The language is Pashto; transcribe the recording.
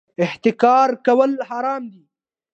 احتکار کول حرام دي